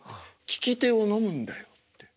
「きき手を飲むんだよ」って。